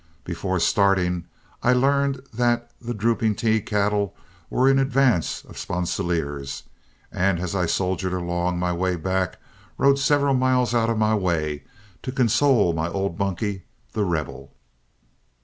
Before starting, I learned that the "Drooping T" cattle were in advance of Sponsilier's, and as I soldiered along on my way back, rode several miles out of my way to console my old bunkie, The Rebel.